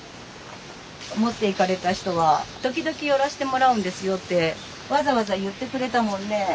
持っていかれた人は「時々寄らしてもらうんですよ」ってわざわざ言ってくれたもんね。